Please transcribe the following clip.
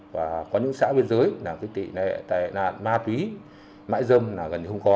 và có những xã biên giới tỉ nệ tài nạn ma túy mãi dâm gần như không có